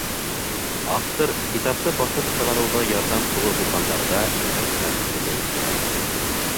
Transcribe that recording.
Автор китапты баҫып сығарыуҙа ярҙам ҡулы һуҙғандарға рәхмәт һүҙе лә еткерә.